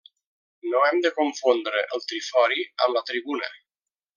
No hem de confondre el trifori amb la tribuna.